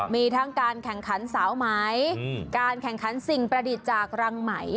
มีทั้งการแข่งขันสาวไหมการแข่งขันสิ่งประดิษฐ์จากรังไหม